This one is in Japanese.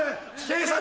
警察！